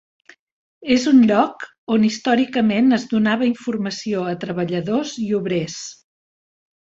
És un lloc on històricament es donava informació a treballadors i obrers.